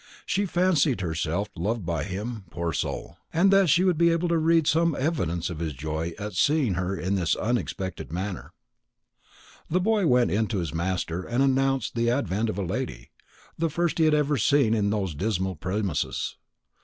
She fancied herself beloved by him, poor soul! and that she would be able to read some evidence of his joy at seeing her in this unexpected manner. The boy went in to his master and announced the advent of a lady, the first he had ever seen in those dismal premises.